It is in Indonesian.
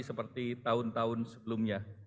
seperti tahun tahun sebelumnya